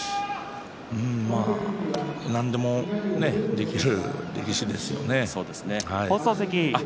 何でもできる力士ですよね。